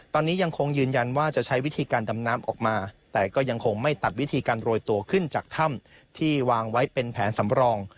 ตอนนี้ยังคงยืนยันว่าจะใช้วิธีการดำน้ำออกมาแต่ก็ยังคงไม่ตัดวิธีการโรยตัวขึ้นจากถ้ำที่วางไว้เป็นแผนสำรอง